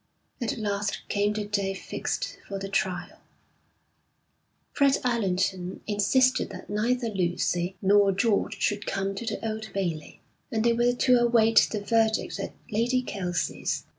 At last came the day fixed for the trial. Fred Allerton insisted that neither Lucy nor George should come to the Old Bailey, and they were to await the verdict at Lady Kelsey's.